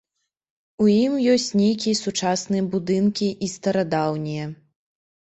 У ім ёсць нейкія сучасныя будынкі і старадаўнія.